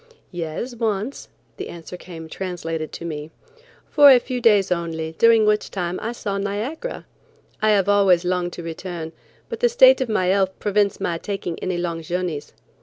"Yes, once;" the answer came translated to me. "For a few days only, during which time I saw Niagara. I have always longed to return, but the state of my health prevents my taking any long journeys.